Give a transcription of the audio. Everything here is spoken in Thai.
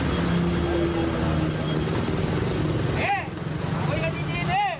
เฮ้ยคุยกันดีดีดีเฮ้ย